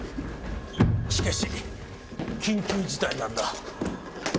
しかし緊急事態なんだ。